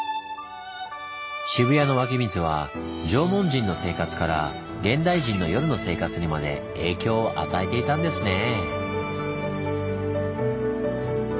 渋谷の湧き水は縄文人の生活から現代人の夜の生活にまで影響を与えていたんですねぇ。